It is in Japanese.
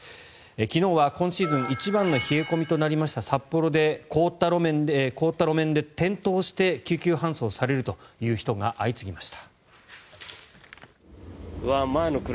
昨日は今シーズン一番の冷え込みとなりました札幌で凍った路面で転倒して救急搬送されるという人が相次ぎました。